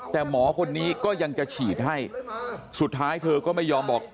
แต่หมอคนนี้ก็ยังจะฉีดให้สุดท้ายเธอก็ไม่ยอมบอก